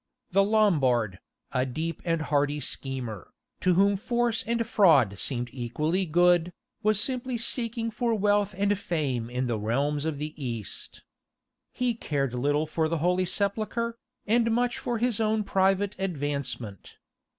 The Lombard, a deep and hardy schemer, to whom force and fraud seemed equally good, was simply seeking for wealth and fame in the realms of the East. He cared little for the Holy Sepulchre, and much for his own private advancement.